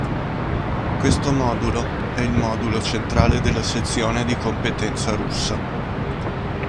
Questo modulo è il modulo centrale della sezione di competenza Russa.